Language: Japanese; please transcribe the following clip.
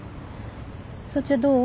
そっちはどう？